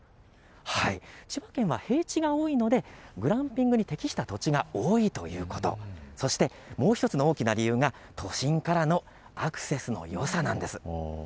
千葉県は平地が多いので、グランピングに適した土地が多いということ、そして、もう１つの大きな理由が都心からのアクセスのよさなんです。